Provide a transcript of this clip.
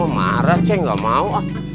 marah cek gak mau